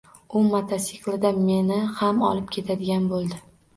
U motosiklida meni ham olib ketadigan bo`ldi